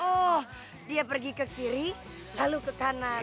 oh dia pergi ke kiri lalu ke kanan